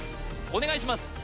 お願いします